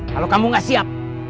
kalau kamu gak siap